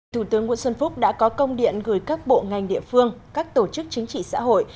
thủ tướng nguyễn xuân phúc đã có công điện gửi các bộ ngành địa phương các tổ chức chính trị xã hội